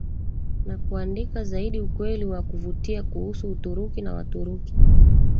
na kuandika zaidi Ukweli wa kuvutia kuhusu Uturuki na Waturuki